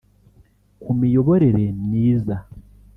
ku miyoborere myiza